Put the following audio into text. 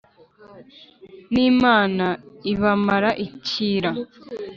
n'imana ibamara icyira.